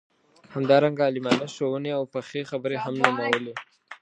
همدارنګه عالمانه ښووني او پخې خبرې هم نومولې.